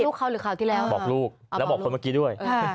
ลูกเขาหรือข่าวที่แล้วบอกลูกแล้วบอกคนเมื่อกี้ด้วย